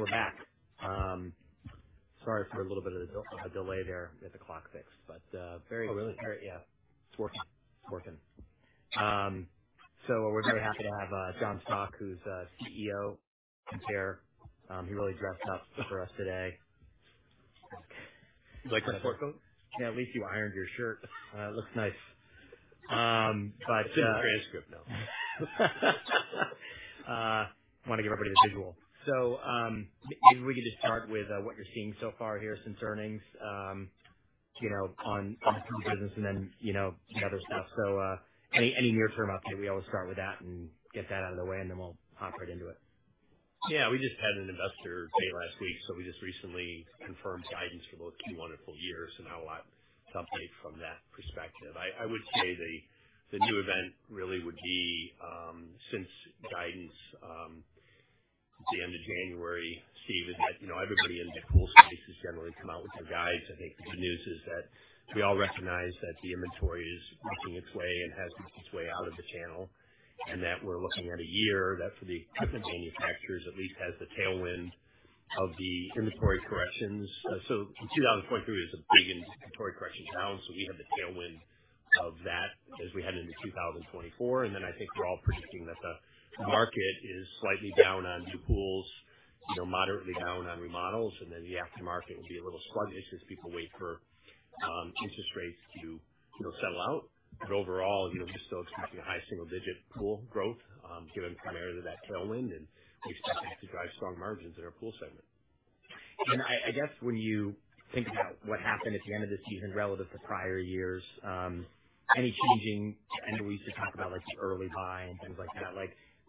We're back. Sorry for a little bit of a delay there at the clock fix, but very. Oh, really? Very, yeah. It's working. It's working. So we're very happy to have John Stauch, who's CEO of Pentair. He really dressed up for us today. You like my sports coat? Yeah, at least you ironed your shirt. It looks nice. It's in the transcript, though. I want to give everybody the visual. So maybe we could just start with what you're seeing so far here since earnings on the true business and then the other stuff. So any near-term update, we always start with that and get that out of the way, and then we'll hop right into it. Yeah, we just had an Investor Day last week, so we just recently confirmed guidance for both Q1 and full year, so now a lot to update from that perspective. I would say the new event really would be, since guidance at the end of January, Steve, is that everybody in the pool space generally come out with their guidance. I think the good news is that we all recognize that the inventory is making its way and has made its way out of the channel, and that we're looking at a year that, for the equipment manufacturers, at least has the tailwind of the inventory corrections. So 2023 is a big inventory corrections round, so we have the tailwind of that as we head into 2024. Then I think we're all predicting that the market is slightly down on new pools, moderately down on remodels, and then the aftermarket will be a little sluggish as people wait for interest rates to settle out. But overall, we're still expecting a high single-digit pool growth, given primarily that tailwind, and we expect that to drive strong margins in our pool segment. I guess when you think about what happened at the end of the season relative to prior years, any changing and we used to talk about the early buy and things like that.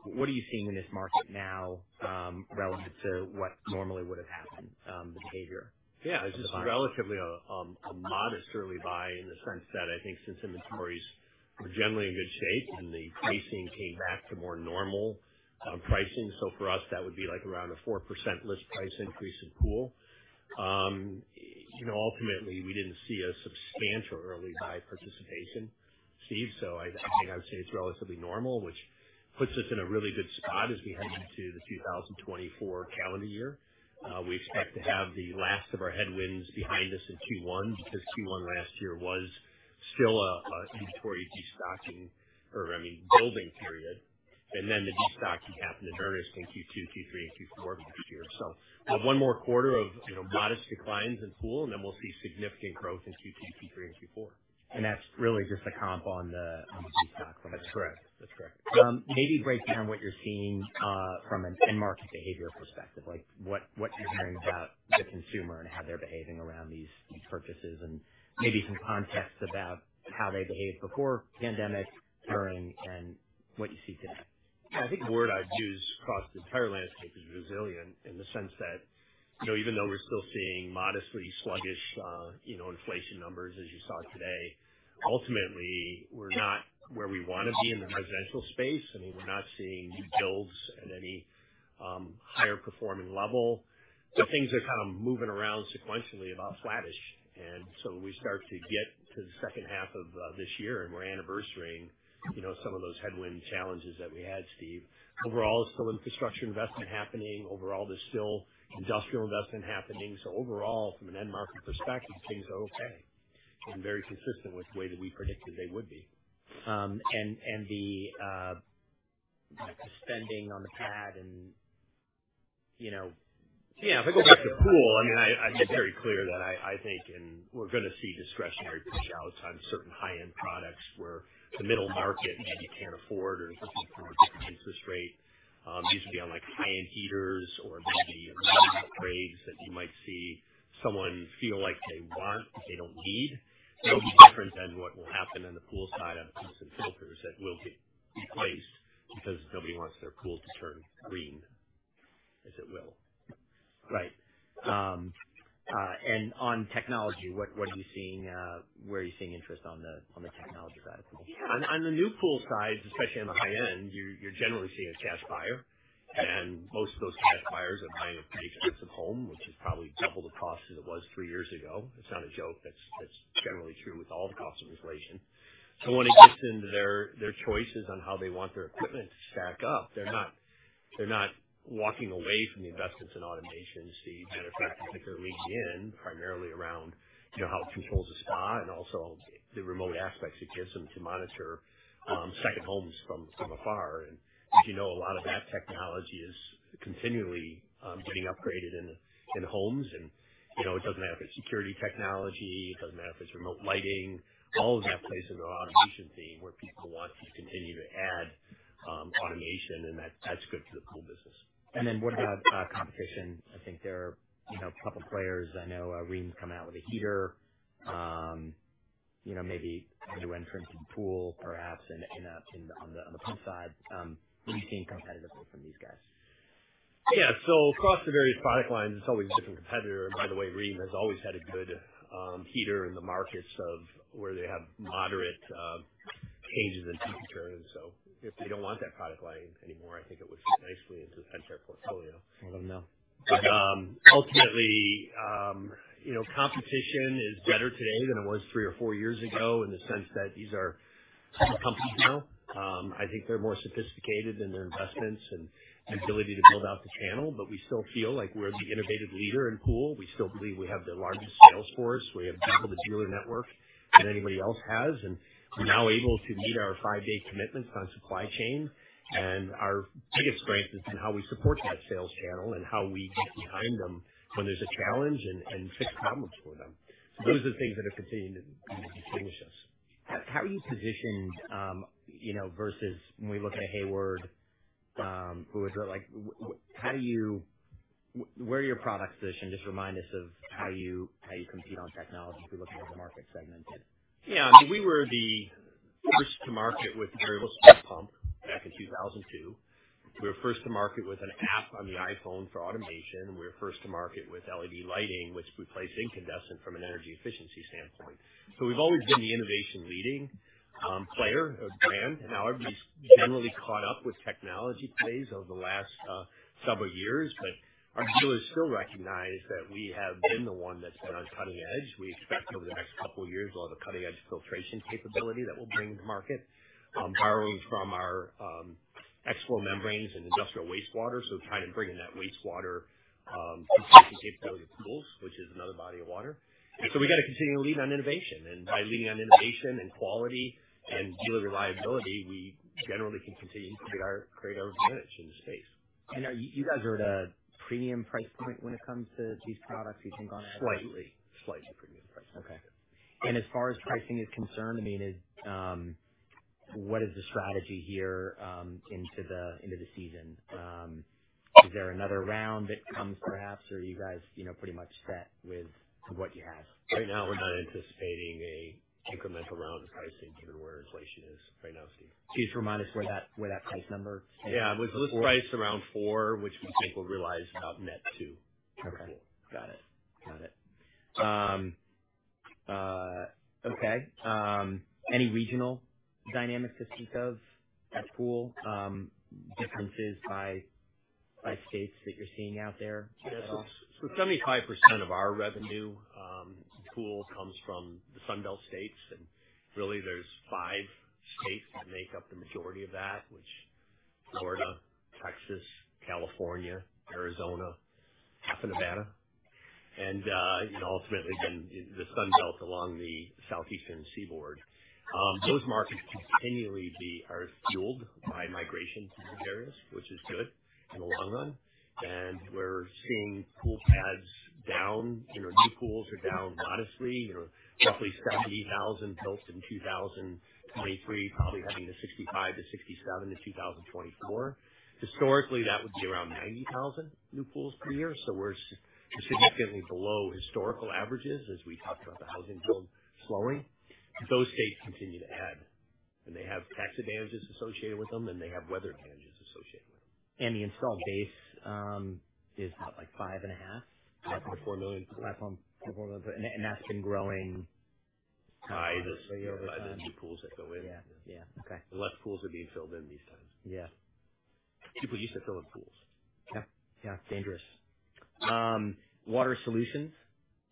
What are you seeing in this market now relative to what normally would have happened, the behavior of the buying? Yeah, it's just relatively a modest early buy in the sense that I think since inventories were generally in good shape and the pricing came back to more normal pricing, so for us, that would be around a 4% list price increase in pool. Ultimately, we didn't see a substantial early buy participation, Steve, so I think I would say it's relatively normal, which puts us in a really good spot as we head into the 2024 calendar year. We expect to have the last of our headwinds behind us in Q1 because Q1 last year was still an inventory destocking or, I mean, building period, and then the destocking happened in earnest in Q2, Q3, and Q4 of next year. So one more quarter of modest declines in pool, and then we'll see significant growth in Q2, Q3, and Q4. That's really just a comp on the destock from last year. That's correct. That's correct. Maybe break down what you're seeing from an end-market behavior perspective, what you're hearing about the consumer and how they're behaving around these purchases, and maybe some context about how they behaved before pandemic, during, and what you see today. Yeah, I think the word I'd use across the entire landscape is resilient in the sense that even though we're still seeing modestly sluggish inflation numbers as you saw today, ultimately, we're not where we want to be in the residential space. I mean, we're not seeing new builds at any higher-performing level, but things are kind of moving around sequentially about flattish. And so we start to get to the second half of this year, and we're anniversarying some of those headwind challenges that we had, Steve. Overall, it's still infrastructure investment happening. Overall, there's still industrial investment happening. So overall, from an end-market perspective, things are okay and very consistent with the way that we predicted they would be. The spending on the pad and. Yeah, if I go back to pool, I mean, I made it very clear that I think we're going to see discretionary push-outs on certain high-end products where the middle market maybe can't afford or is looking for a different interest rate. These would be on high-end heaters or maybe amazing grades that you might see someone feel like they want but they don't need. That'll be different than what will happen on the pool side on pieces and filters that will get replaced because nobody wants their pool to turn green, as it will. Right. On technology, what are you seeing? Where are you seeing interest on the technology side of the pool? Yeah, on the new pool sides, especially on the high-end, you're generally seeing a cash buyer, and most of those cash buyers are buying a pretty expensive home, which is probably double the cost as it was three years ago. It's not a joke. That's generally true with all the cost of inflation. So when it gets into their choices on how they want their equipment to stack up, they're not walking away from the investments in automation, Steve. Matter of fact, I think they're leaning in primarily around how it controls the spa and also the remote aspects it gives them to monitor second homes from afar. And as you know, a lot of that technology is continually getting upgraded in homes, and it doesn't matter if it's security technology. It doesn't matter if it's remote lighting. All of that plays into an automation theme where people want to continue to add automation, and that's good for the pool business. And then what about competition? I think there are a couple of players. I know Rheem's come out with a heater, maybe a new entrant to the pool, perhaps, on the pool side. What are you seeing competitively from these guys? Yeah, so across the various product lines, it's always a different competitor. And by the way, Rheem has always had a good heater in the markets of where they have moderate changes in temperature. And so if they don't want that product line anymore, I think it would fit nicely into the Pentair portfolio. I'll let them know. Ultimately, competition is better today than it was three or four years ago in the sense that these are different companies now. I think they're more sophisticated in their investments and ability to build out the channel, but we still feel like we're the innovative leader in pool. We still believe we have the largest sales force. We have the dealer network that anybody else has, and we're now able to meet our five-day commitments on supply chain. Our biggest strength has been how we support that sales channel and how we get behind them when there's a challenge and fix problems for them. Those are the things that have continued to distinguish us. How are you positioned versus when we look at Hayward, Fluidra? Where are your products positioned? Just remind us of how you compete on technology if we're looking at the market segmented. Yeah, I mean, we were the first to market with the variable speed pump back in 2002. We were first to market with an app on the iPhone for automation. We were first to market with LED lighting, which we place incandescent from an energy efficiency standpoint. So we've always been the innovation-leading player of brand, and now everybody's generally caught up with technology plays over the last several years. But our dealers still recognize that we have been the one that's been on cutting edge. We expect, over the next couple of years, a lot of cutting-edge filtration capability that we'll bring into market, borrowing from our X-Flow membranes and industrial wastewater, so trying to bring in that wastewater filtration capability to pools, which is another body of water. And so we got to continue to lead on innovation. By leading on innovation and quality and dealer reliability, we generally can continue to create our advantage in the space. You guys are at a premium price point when it comes to these products, you think, on average? Slightly. Slightly premium price point. Okay. As far as pricing is concerned, I mean, what is the strategy here into the season? Is there another round that comes, perhaps, or are you guys pretty much set with what you have? Right now, we're not anticipating an incremental round of pricing given where inflation is right now, Steve. Just remind us where that price number stands. Yeah, it was list priced around $4, which we think we'll realize about net $2 for pool. Okay. Got it. Got it. Okay. Any regional dynamics to speak of at pool, differences by states that you're seeing out there at all? Yeah, so 75% of our revenue in pool comes from the Sunbelt states, and really, there's five states that make up the majority of that, which are Florida, Texas, California, Arizona, half of Nevada, and ultimately then the Sunbelt along the southeastern seaboard. Those markets continually are fueled by migration to these areas, which is good in the long run. We're seeing pool pads down. New pools are down modestly, roughly 70,000 built in 2023, probably heading to 65-67 in 2024. Historically, that would be around 90,000 new pools per year, so we're significantly below historical averages as we talked about the housing build slowing. Those states continue to add, and they have tax advantages associated with them, and they have weather advantages associated with them. The installed base is about 5.5? Approximately 4 million. Approximately 4 million. That's been growing constantly over time? By the new pools that go in? Yeah. Yeah. Okay. Less pools are being filled in these times. People used to fill in pools. Yeah. Yeah. Then, water solutions,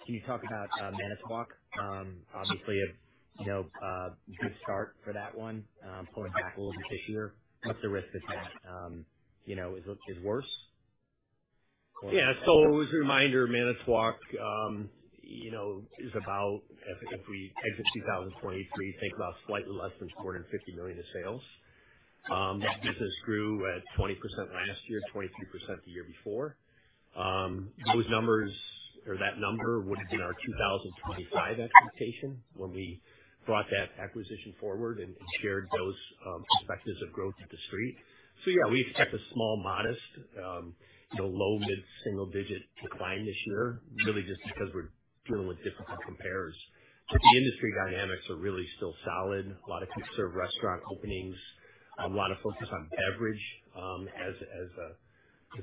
can you talk about Manitowoc? Obviously, a good start for that one, pulling back a little bit this year. What's the risk with that? Is it worse? Yeah, so as a reminder, Manitowoc is about, if we exit 2023, think about slightly less than $450 million in sales. That business grew at 20% last year, 23% the year before. Those numbers or that number would have been our 2025 expectation when we brought that acquisition forward and shared those perspectives of growth at the street. So yeah, we expect a small, modest, low- to mid-single-digit decline this year, really just because we're dealing with different compares. But the industry dynamics are really still solid. A lot of conservative restaurant openings, a lot of focus on beverage as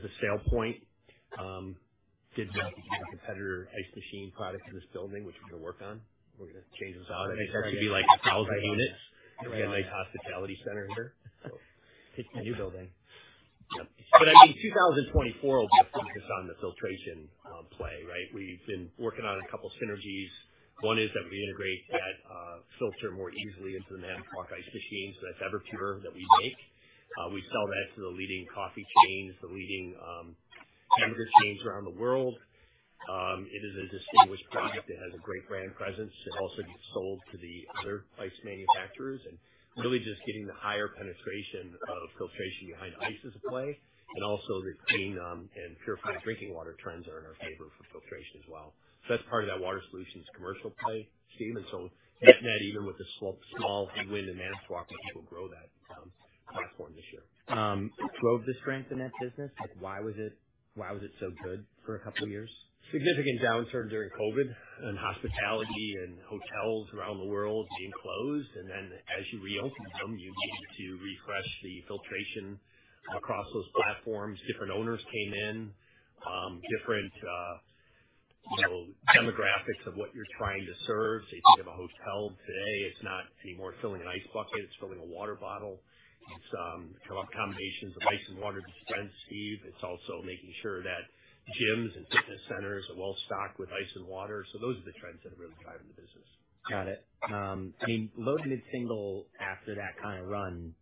a sale point. Did not get to give a competitor ice machine product in this building, which we're going to work on. We're going to change this out. I think that should be 1,000 units. We've got a nice hospitality center here. Taking the new building. Yep. But I mean, 2024 will be a focus on the filtration play, right? We've been working on a couple of synergies. One is that we integrate that filter more easily into the Manitowoc ice machines. That's Everpure that we make. We sell that to the leading coffee chains, the leading hamburger chains around the world. It is a distinguished product. It has a great brand presence. It also gets sold to the other ice manufacturers. And really just getting the higher penetration of filtration behind ice is a play, and also the clean and purified drinking water trends are in our favor for filtration as well. So that's part of that water solutions commercial play, Steve. And so net-net, even with the small headwind in Manitowoc, we people grow that platform this year. Drove the strength in that business? Why was it so good for a couple of years? Significant downturn during COVID and hospitality and hotels around the world being closed. And then as you reopen them, you need to refresh the filtration across those platforms. Different owners came in, different demographics of what you're trying to serve. So if you have a hotel today, it's not anymore filling an ice bucket. It's filling a water bottle. It's accommodations of ice and water dispense, Steve. It's also making sure that gyms and fitness centers are well stocked with ice and water. So those are the trends that have really driven the business. Got it. I mean, low to mid-single after that kind of run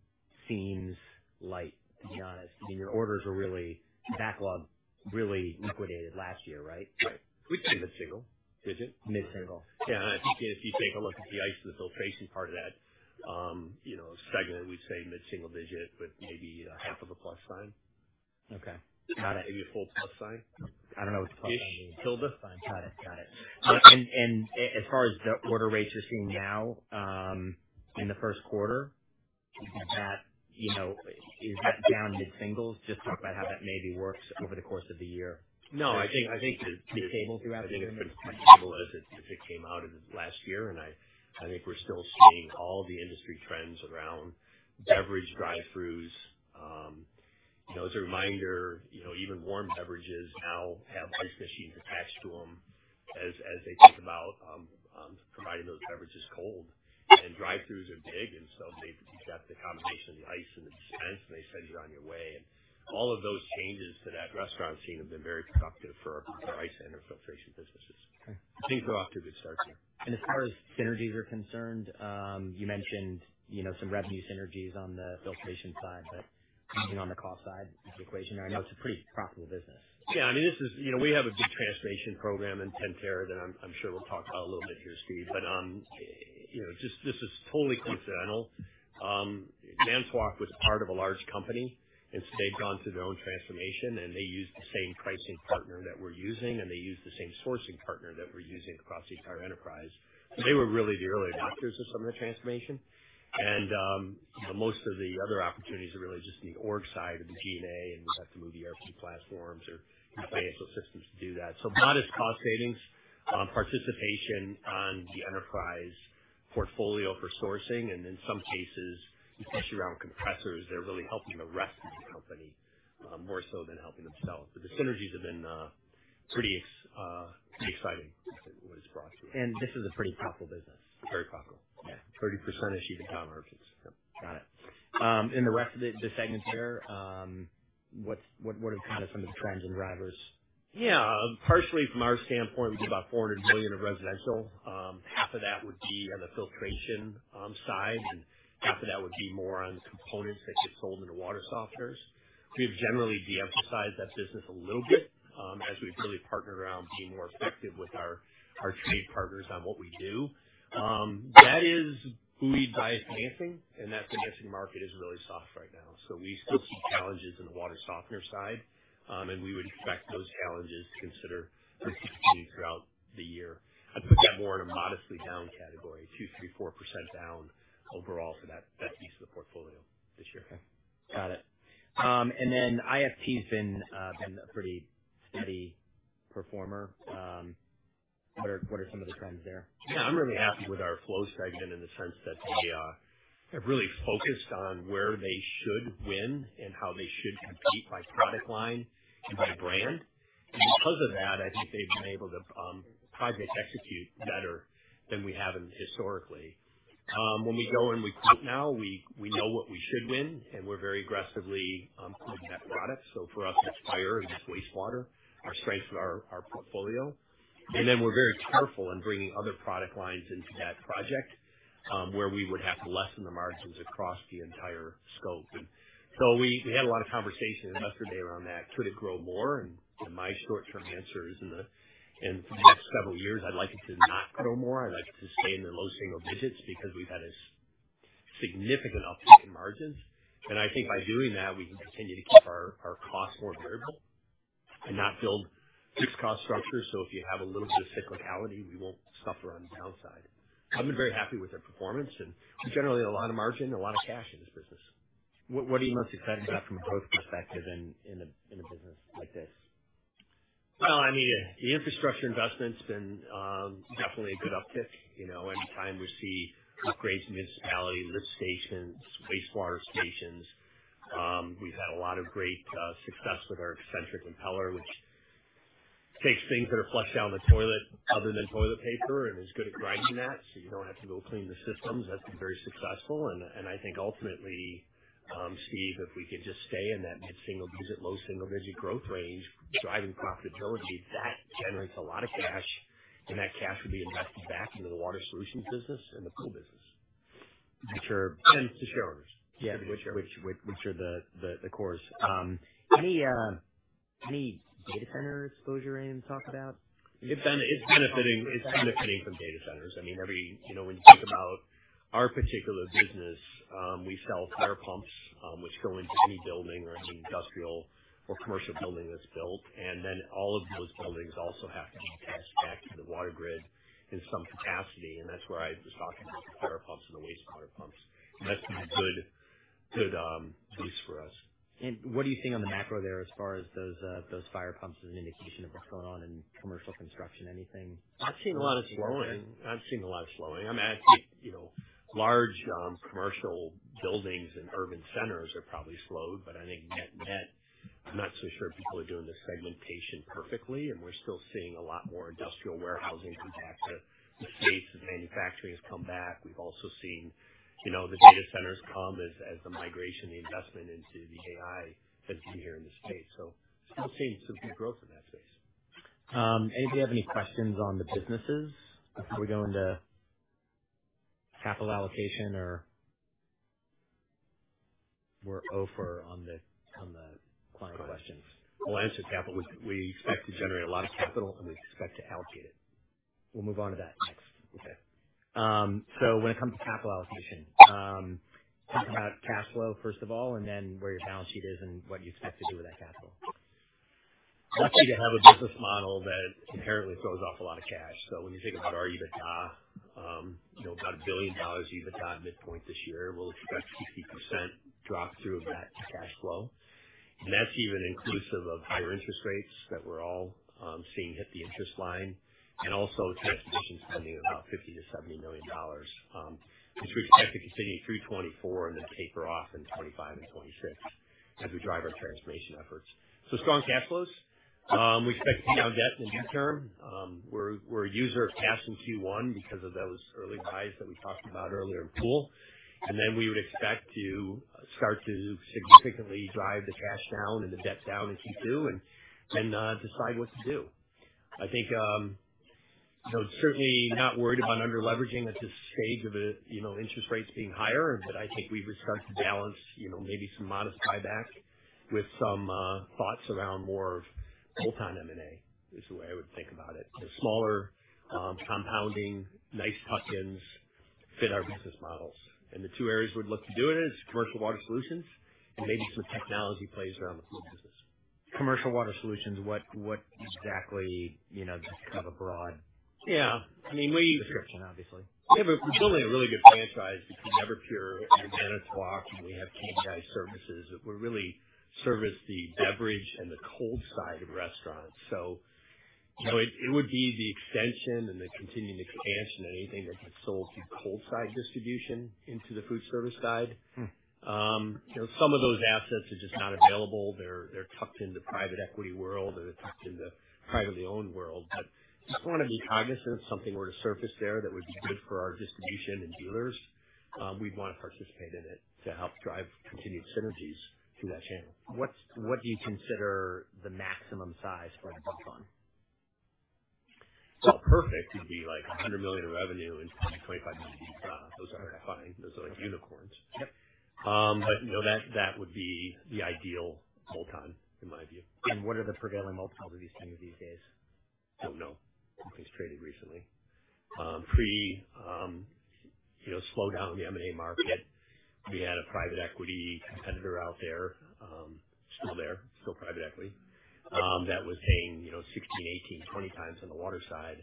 seems light, to be honest. I mean, your orders were really backlogged really liquidated last year, right? Right. We'd say mid-single digit. Mid-single. Yeah. And I think if you take a look at the ice and the filtration part of that segment, we'd say mid-single digit with maybe a half of a plus sign. Okay. Got it. Maybe a full plus sign. I don't know what the plus sign means. Hash tilde? Got it. Got it. And as far as the order rates you're seeing now in the first quarter, is that down mid-singles? Just talk about how that maybe works over the course of the year. No, I think it's. Stable throughout the year? I think it's been stable as it came out of last year, and I think we're still seeing all the industry trends around beverage drive-throughs. As a reminder, even warm beverages now have ice machines attached to them as they think about providing those beverages cold. And drive-throughs are big, and so you've got the combination of the ice and the dispense, and they send you on your way. And all of those changes to that restaurant scene have been very productive for our ice and our filtration businesses. Things are off to a good start here. As far as synergies are concerned, you mentioned some revenue synergies on the filtration side, but looking on the cost side of the equation there, I know it's a pretty profitable business. Yeah. I mean, this is we have a big transformation program in Pentair that I'm sure we'll talk about a little bit here, Steve. But this is totally coincidental. Manitowoc was part of a large company, and so they've gone through their own transformation, and they used the same pricing partner that we're using, and they used the same sourcing partner that we're using across the entire enterprise. So they were really the early adopters of some of the transformation. And most of the other opportunities are really just in the org side of the G&A, and we've had to move the ERP platforms or financial systems to do that. So modest cost savings, participation on the enterprise portfolio for sourcing, and in some cases, especially around compressors, they're really helping the rest of the company more so than helping themselves. But the synergies have been pretty exciting. What it's brought to us. This is a pretty profitable business. Very profitable. Yeah. 30% is even down margins. Yep. Got it. In the rest of the segments there, what are kind of some of the trends and drivers? Yeah, partially from our standpoint, we do about $400 million of residential. Half of that would be on the filtration side, and half of that would be more on the components that get sold into water softeners. We have generally de-emphasized that business a little bit as we've really partnered around being more effective with our trade partners on what we do. That is buoyed by financing, and that financing market is really soft right now. So we still see challenges in the water softener side, and we would expect those challenges to continue throughout the year. I'd put that more in a modestly down category, 2% to 4% down overall for that piece of the portfolio this year. Okay. Got it. And then IFT has been a pretty steady performer. What are some of the trends there? Yeah, I'm really happy with our flow segment in the sense that they have really focused on where they should win and how they should compete by product line and by brand. And because of that, I think they've been able to project execute better than we have historically. When we go and we quote now, we know what we should win, and we're very aggressively quoting that product. So for us, it's fire and it's wastewater, our strengths of our portfolio. And then we're very careful in bringing other product lines into that project where we would have to lessen the margins across the entire scope. And so we had a lot of conversation yesterday around that, could it grow more? And my short-term answer is, in the next several years, I'd like it to not grow more. I'd like it to stay in the low single digits because we've had a significant uptake in margins. I think by doing that, we can continue to keep our costs more variable and not build fixed-cost structures. If you have a little bit of cyclicality, we won't suffer on the downside. I've been very happy with their performance, and we generally have a lot of margin and a lot of cash in this business. What are you most excited about from a growth perspective in a business like this? Well, I mean, the infrastructure investment's been definitely a good uptick. Every time we see upgrades in municipalities, lift stations, wastewater stations, we've had a lot of great success with our eccentric impeller, which takes things that are flushed down the toilet other than toilet paper and is good at grinding that so you don't have to go clean the systems. That's been very successful. I think ultimately, Steve, if we could just stay in that mid-single-digit, low single-digit growth range driving profitability, that generates a lot of cash, and that cash would be invested back into the water solutions business and the pool business. Which are? And the shareholders. Yeah. Which are the cores. Any data center exposure in to talk about? It's benefiting from data centers. I mean, when you think about our particular business, we sell fire pumps, which go into any building or any industrial or commercial building that's built. And then all of those buildings also have to be attached back to the water grid in some capacity. And that's where I was talking about the fire pumps and the wastewater pumps. And that's been a good use for us. What do you think on the macro there as far as those fire pumps as an indication of what's going on in commercial construction? Anything? I've seen a lot of slowing. I've seen a lot of slowing. I mean, I think large commercial buildings and urban centers are probably slowed, but I think net-net, I'm not so sure people are doing the segmentation perfectly, and we're still seeing a lot more industrial warehousing come back to the space. Manufacturing has come back. We've also seen the data centers come as the migration, the investment into the AI has been here in the space. So still seeing some good growth in that space. Anybody have any questions on the businesses before we go into capital allocation or we're over on the client questions? We'll answer capital. We expect to generate a lot of capital, and we expect to allocate it. We'll move on to that next. Okay. So when it comes to capital allocation, talk about cash flow, first of all, and then where your balance sheet is and what you expect to do with that capital. Lucky to have a business model that inherently throws off a lot of cash. So when you think about our EBITDA, about $1 billion EBITDA at midpoint this year. We'll expect 60% drop-through of that cash flow. And that's even inclusive of higher interest rates that we're all seeing hit the interest line and also transmission spending of about $50 million to $70 million, which we expect to continue through 2024 and then taper off in 2025 and 2026 as we drive our transformation efforts. So strong cash flows. We expect to pay down debt in the midterm. We're a user of cash in Q1 because of those early buys that we talked about earlier in pool. And then we would expect to start to significantly drive the cash down and the debt down in Q2 and decide what to do. I think certainly not worried about under-leveraging at this stage of interest rates being higher, but I think we would start to balance maybe some modest buyback with some thoughts around more of full-time M&A, is the way I would think about it. The smaller compounding, nice tuck-ins fit our business models. The two areas we'd look to do in it is commercial water solutions and maybe some technology plays around the pool business. Commercial water solutions, what exactly? Just kind of a broad description, obviously. Yeah. I mean, we're building a really good franchise between Everpure and Manitowoc, and we have K&I services. We really service the beverage and the cold side of restaurants. So it would be the extension and the continued expansion of anything that gets sold through cold-side distribution into the food service side. Some of those assets are just not available. They're tucked into private equity world or they're tucked into privately owned world. But just want to be cognizant if something were to surface there that would be good for our distribution and dealers, we'd want to participate in it to help drive continued synergies through that channel. What do you consider the maximum size for a deep fund? Well, perfect would be like $100 million in revenue and $25 million deep fund. Those are fine. Those are unicorns. But that would be the ideal full-time, in my view. What are the prevailing multiples of these things these days? Don't know. Nothing's traded recently. Pre-slowdown in the M&A market, we had a private equity competitor out there, still there, still private equity, that was paying 16x, 18x, 20x on the water side.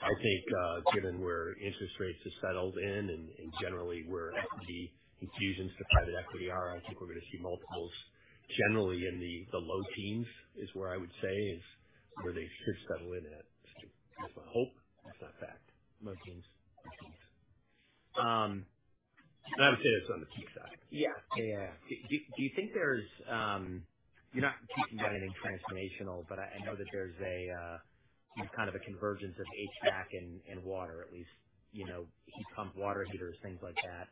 I think given where interest rates have settled in and generally where equity infusions to private equity are, I think we're going to see multiples generally in the low teens is where I would say is where they should settle in at. That's my hope. It's not fact. Low teens. Low teens. And I would say that's on the peak side. Yeah. Yeah, yeah, yeah. Do you think that you're not touching on anything transformational, but I know that there's kind of a convergence of HVAC and water, at least heat pump, water heaters, things like that.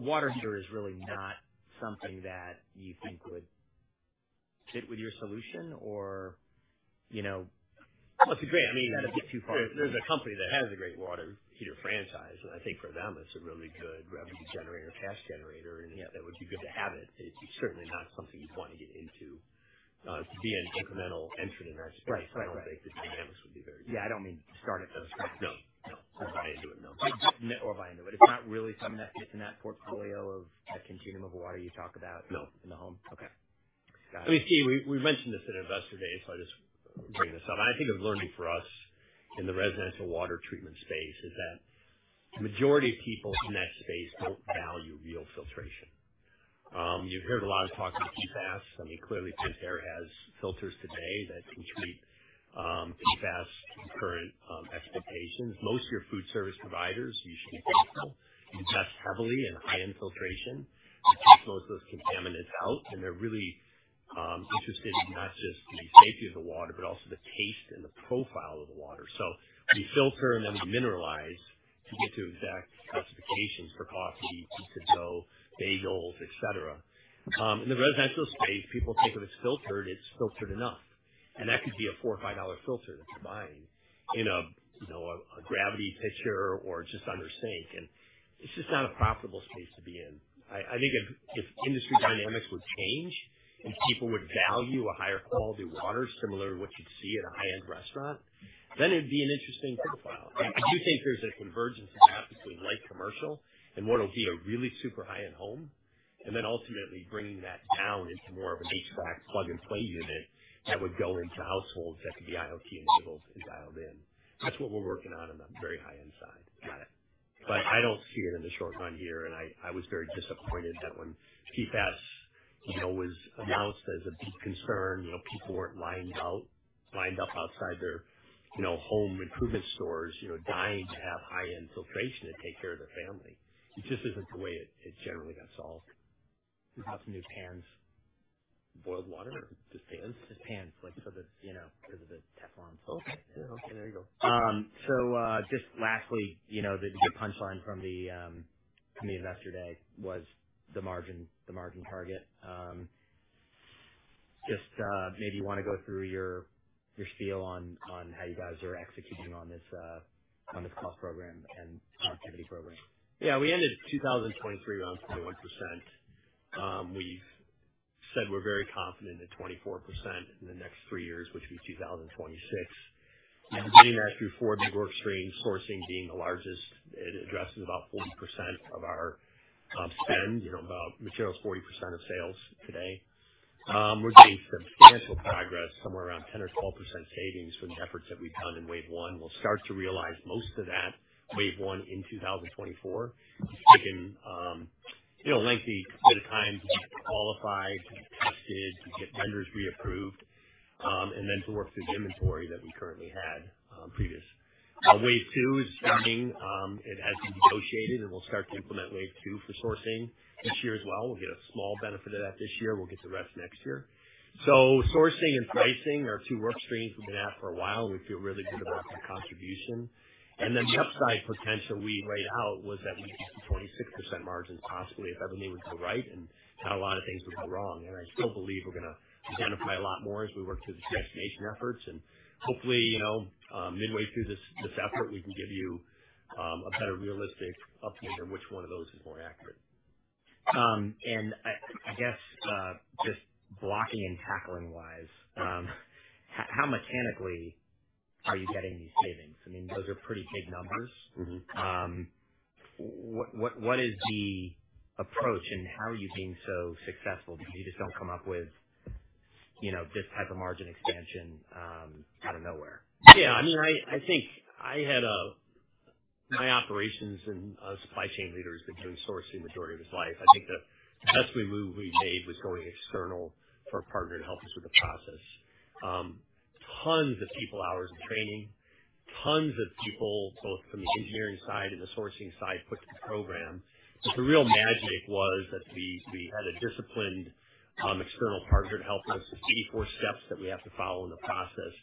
Water heater is really not something that you think would fit with your solution, or? Well, it's a great, I mean. Is that a bit too far? There's a company that has a great water heater franchise, and I think for them, it's a really good revenue generator, cash generator, and that would be good to have it. It's certainly not something you'd want to get into. To be an incremental entrant in that space, I don't think the dynamics would be very good. Yeah. I don't mean start from scratch. No. No. Or buy into it, no. Or buy into it. It's not really something that fits in that portfolio of the continuum of water you talk about in the home? No. Okay. Got it. I mean, Steve, we mentioned this at investor day, so I just bring this up. I think of learning for us in the residential water treatment space is that the majority of people in that space don't value real filtration. You've heard a lot of talk of the PFAS. I mean, clearly, Pentair has filters today that can treat PFAS to current expectations. Most of your food service providers, you should be careful. You invest heavily in high-end filtration to keep most of those contaminants out, and they're really interested in not just the safety of the water but also the taste and the profile of the water. So we filter, and then we mineralize to get to exact classifications for coffee, pizza dough, bagels, etc. In the residential space, people think if it's filtered, it's filtered enough. That could be a $4 or $5 filter that they're buying in a gravity pitcher or just under sink. It's just not a profitable space to be in. I think if industry dynamics would change and people would value a higher quality water similar to what you'd see at a high-end restaurant, then it'd be an interesting profile. I do think there's a convergence of that between light commercial and what'll be a really super high-end home, and then ultimately bringing that down into more of an HVAC plug-and-play unit that would go into households that could be IoT-enabled and dialed in. That's what we're working on on the very high-end side. Got it. But I don't see it in the short run here, and I was very disappointed that when PFAS was announced as a big concern, people weren't lined up outside their home improvement stores dying to have high-end filtration to take care of their family. It just isn't the way it generally got solved. Is that the new pans? Boiled water or just pans? Just pans because of the Teflon filter. Oh, yeah. Yeah. Okay. There you go. So just lastly, the good punchline from the investor day was the margin target. Just maybe you want to go through your spiel on how you guys are executing on this cost program and productivity program. Yeah. We ended 2023 around 21%. We've said we're very confident at 24% in the next three years, which would be 2026. We've been getting that through four big workstreams, sourcing being the largest. It addresses about 40% of our spend, about materials 40% of sales today. We're getting substantial progress, somewhere around 10 or 12% savings from the efforts that we've done in wave one. We'll start to realize most of that wave one in 2024. It's taken a lengthy bit of time to be qualified, to be tested, to get vendors reapproved, and then to work through the inventory that we currently had previous. Wave two is starting. It has been negotiated, and we'll start to implement wave two for sourcing this year as well. We'll get a small benefit of that this year. We'll get the rest next year. Sourcing and pricing are two workstreams we've been at for a while, and we feel really good about that contribution. Then the upside potential we laid out was that we could get to 26% margins possibly if everything would go right and not a lot of things would go wrong. I still believe we're going to identify a lot more as we work through the transformation efforts. Hopefully, midway through this effort, we can give you a better realistic update of which one of those is more accurate. I guess just blocking and tackling-wise, how mechanically are you getting these savings? I mean, those are pretty big numbers. What is the approach, and how are you being so successful because you just don't come up with this type of margin expansion out of nowhere? Yeah. I mean, I think my operations and supply chain leader has been doing sourcing the majority of his life. I think the best move we made was going external for a partner to help us with the process. Tons of people, hours of training, tons of people both from the engineering side and the sourcing side put to the program. But the real magic was that we had a disciplined external partner to help us, 84 steps that we have to follow in the process.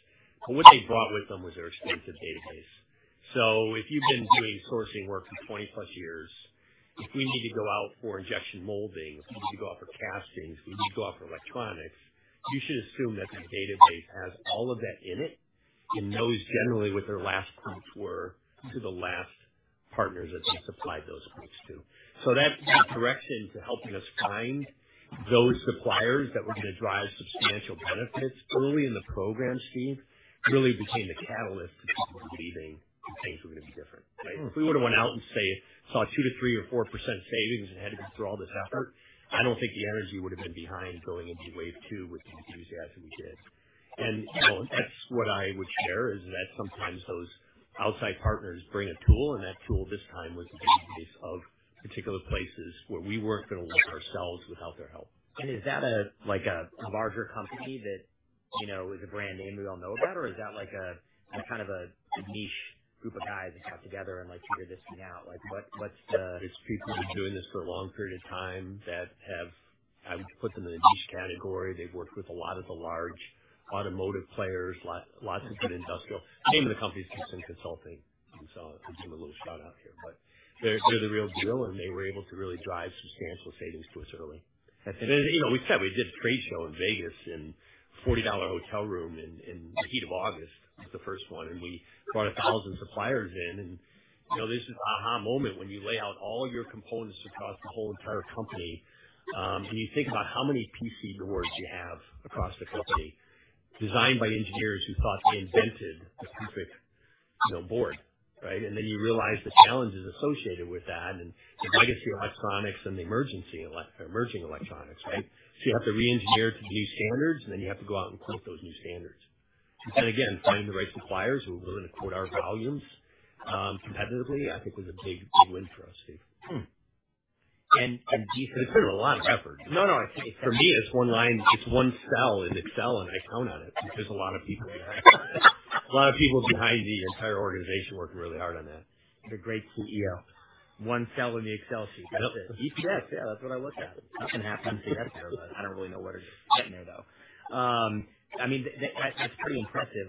But what they brought with them was their extensive database. So if you've been doing sourcing work for 20+ years, if we need to go out for injection molding, if we need to go out for castings, if we need to go out for electronics, you should assume that the database has all of that in it and knows generally what their last points were to the last partners that they supplied those points to. So that direction to helping us find those suppliers that were going to drive substantial benefits early in the program, Steve, really became the catalyst to people believing that things were going to be different, right? If we would have went out and saw 2% to 4% savings and had to go through all this effort, I don't think the energy would have been behind going into wave two with the enthusiasm we did. That's what I would share is that sometimes those outside partners bring a tool, and that tool this time was the database of particular places where we weren't going to work ourselves without their help. Is that a larger company that is a brand name we all know about, or is that kind of a niche group of guys that got together and like, "Here this came out"? What's the? It's people who've been doing this for a long period of time that have—I would put them in a niche category. They've worked with a lot of the large automotive players, lots of good industrial. Name of the company is Gibson Consulting. I'm just giving a little shout-out here. But they're the real deal, and they were able to really drive substantial savings to us early. That's interesting. We said we did a trade show in Vegas in a $40 hotel room in the heat of August. It was the first one, and we brought 1,000 suppliers in. There's this aha moment when you lay out all your components across the whole entire company, and you think about how many PC boards you have across the company designed by engineers who thought they invented the perfect board, right? And then you realize the challenges associated with that and the legacy electronics and the emerging electronics, right? So you have to re-engineer to the new standards, and then you have to go out and quote those new standards. And then again, finding the right suppliers who are willing to quote our volumes competitively I think was a big, big win for us, Steve. Do you say? It's been a lot of effort. No, no. For me, it's one line. It's one cell in Excel, and I count on it because there's a lot of people in that. A lot of people behind the entire organization working really hard on that. The great CEO. One cell in the Excel sheet. That's it. Yes. Yes. Yeah. That's what I look at. Nothing happened since he got there, but I don't really know what is getting there, though. I mean, that's pretty impressive.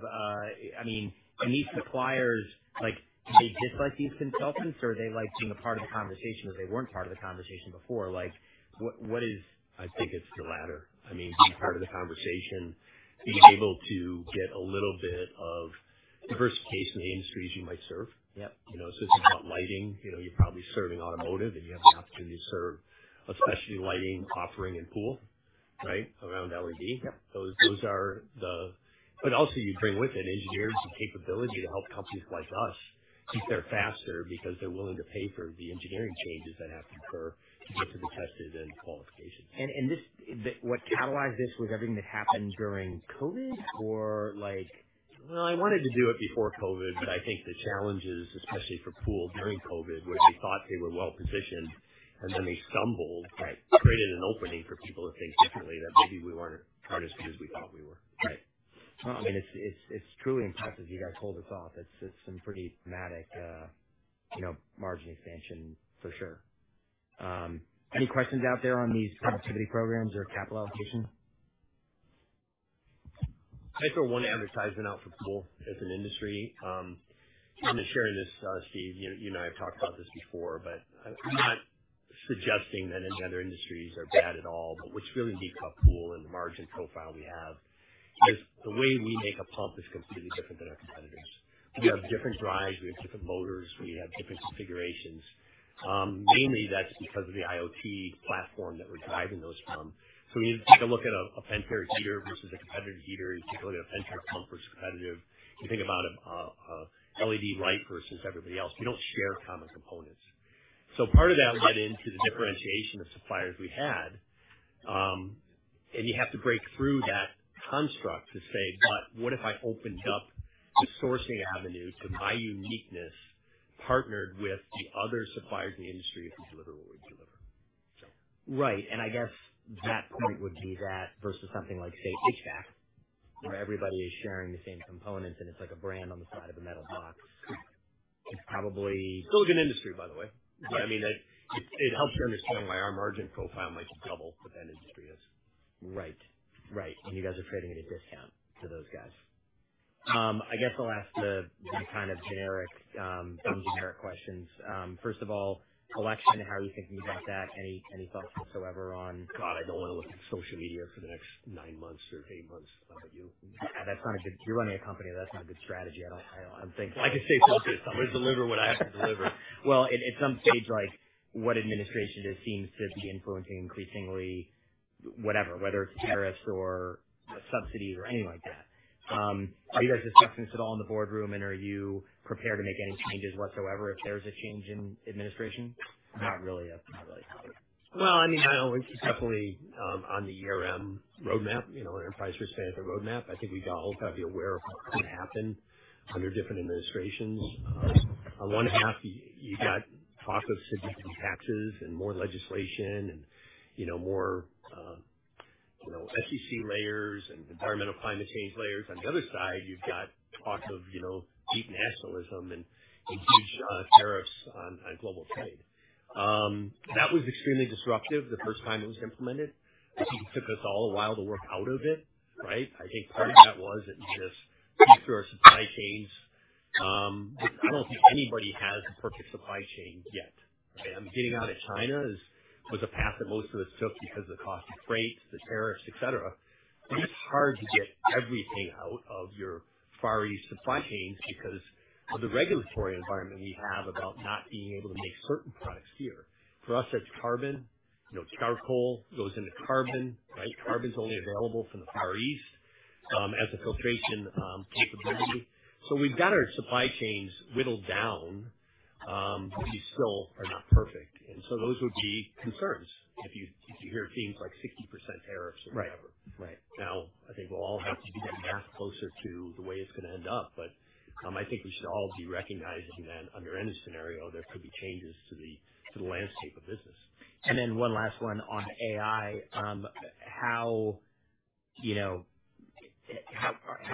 I mean, and these suppliers, they dislike these consultants, or are they being a part of the conversation because they weren't part of the conversation before? What is? I think it's the latter. I mean, being part of the conversation, being able to get a little bit of diversification in the industries you might serve. So it's not lighting. You're probably serving automotive, and you have the opportunity to serve especially lighting, offering, and pool, right, around LED. Those are the but also, you bring with it engineers and capability to help companies like us keep there faster because they're willing to pay for the engineering changes that have to occur to get to the tested end qualifications. What catalyzed this was everything that happened during COVID, or? Well, I wanted to do it before COVID, but I think the challenges, especially for pool during COVID, where they thought they were well-positioned and then they stumbled, created an opening for people to think differently that maybe we weren't as good as we thought we were. Right. Well, I mean, it's truly impressive you guys pulled this off. It's some pretty dramatic margin expansion, for sure. Any questions out there on these productivity programs or capital allocation? I throw one advertisement out for pool as an industry. I'm just sharing this, Steve. You and I have talked about this before, but I'm not suggesting that any other industries are bad at all. But what's really indeed called pool and the margin profile we have is the way we make a pump is completely different than our competitors. We have different drives. We have different motors. We have different configurations. Mainly, that's because of the IoT platform that we're driving those from. So we need to take a look at a Pentair heater versus a competitor heater. You take a look at a Pentair pump versus a competitor. You think about an LED light versus everybody else. We don't share common components. So part of that led into the differentiation of suppliers we had. You have to break through that construct to say, "But what if I opened up the sourcing avenue to my uniqueness partnered with the other suppliers in the industry if we deliver what we deliver? Right. And I guess that point would be that versus something like, say, HVAC, where everybody is sharing the same components, and it's like a brand on the side of a metal box. It's probably. Still a good industry, by the way. But I mean, it helps you understand why our margin profile might be double what that industry is. Right. Right. And you guys are trading it at a discount to those guys. I guess I'll ask the kind of generic dumb generic questions. First of all, election, how are you thinking about that? Any thoughts whatsoever on? God, I don't want to look at social media for the next nine months or eight months. What about you? Yeah. You're running a company. That's not a good strategy. I'm thinking, "I can stay focused. I'm going to deliver what I have to deliver." Well, at some stage, what administration it is seems to be influencing increasingly whatever, whether it's tariffs or subsidies or anything like that. Are you guys discussing this at all in the boardroom, and are you prepared to make any changes whatsoever if there's a change in administration? Not really. Not really. Well, I mean, I know it's definitely on the roadmap, enterprise risk management roadmap. I think we all got to be aware of what's going to happen under different administrations. On one hand, you've got talk of significant taxes and more legislation and more SEC layers and environmental climate change layers. On the other side, you've got talk of deep nationalism and huge tariffs on global trade. That was extremely disruptive the first time it was implemented. I think it took us all a while to work out of it, right? I think part of that was it just took through our supply chains. I don't think anybody has a perfect supply chain yet, okay? I mean, getting out of China was a path that most of us took because of the cost of freight, the tariffs, etc. But it's hard to get everything out of your Far East supply chains because of the regulatory environment we have about not being able to make certain products here. For us, it's carbon. Charcoal goes into carbon, right? Carbon's only available from the Far East as a filtration capability. So we've got our supply chains whittled down, but we still are not perfect. And so those would be concerns if you hear themes like 60% tariffs or whatever. Now, I think we'll all have to do that math closer to the way it's going to end up, but I think we should all be recognizing that under any scenario, there could be changes to the landscape of business. And then one last one on AI. How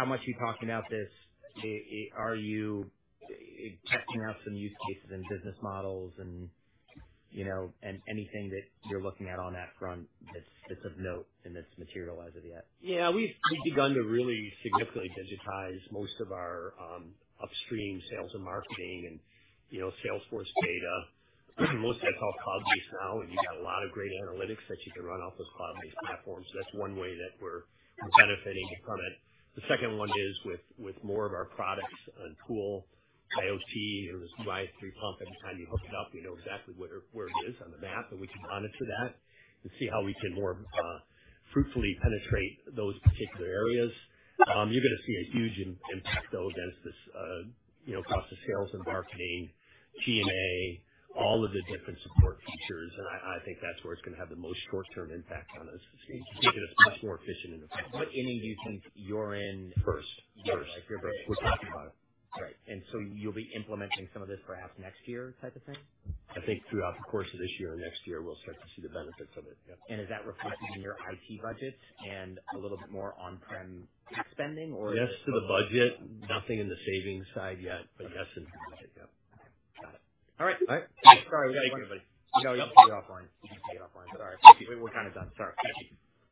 much are you talking about this? Are you testing out some use cases and business models and anything that you're looking at on that front that's of note and that's materialized as of yet? Yeah. We've begun to really significantly digitize most of our upstream sales and marketing and Salesforce data. Most of that's all cloud-based now, and you've got a lot of great analytics that you can run off those cloud-based platforms. That's one way that we're benefiting from it. The second one is with more of our products on pool IoT. There's a live three-pump. Every time you hook it up, we know exactly where it is on the map, and we can monitor that and see how we can more fruitfully penetrate those particular areas. You're going to see a huge impact, though, across the sales and marketing, G&A, all of the different support features. And I think that's where it's going to have the most short-term impact on us, Steve, just making us much more efficient and effective. What ending do you think you're in? First. Yeah. You're first. We're talking about it. Right. And so you'll be implementing some of this perhaps next year type of thing? I think throughout the course of this year or next year, we'll start to see the benefits of it. Yep. Is that reflected in your IT budget and a little bit more on-prem spending, or is it? Yes, to the budget. Nothing in the savings side yet, but yes, into the budget. Yep. Okay. Got it. All right. All right. Sorry. We got everybody. Yep. You know you have to get offline. You have to get offline. Sorry. Thank you. We're kind of done. Sorry. Thank you.